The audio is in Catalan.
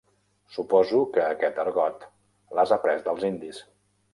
Suposo que aquest argot l'has après dels indis.